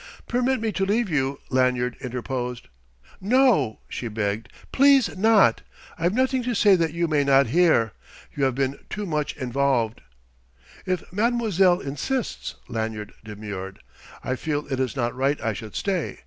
"Permit me to leave you " Lanyard interposed. "No," she begged "please not! I've nothing to say that you may not hear. You have been too much involved " "If mademoiselle insists," Lanyard demurred. "I feel it is not right I should stay.